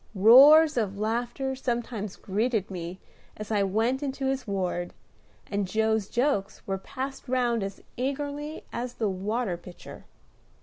Roars of laughter sometimes greeted me as I went into his ward, and Joe's jokes were passed round as eagerly as the water pitcher.